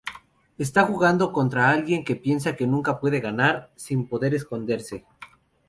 Está jugando contra alguien que piensa que nunca le puede ganar, sin poder esconderse.